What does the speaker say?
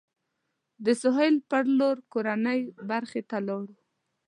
د سهیل پر لور کورنۍ برخې ته لاړو.